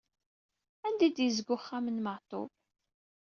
Anda i d-yezga uxxam n maɛṭub?